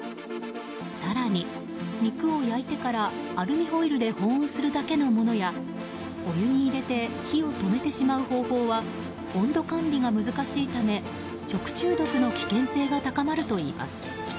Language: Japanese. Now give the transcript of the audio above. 更に肉を焼いてからアルミホイルで保温するだけのものやお湯に入れて火を止めてしまう方法は温度管理が難しいため食中毒の危険性が高まるといいます。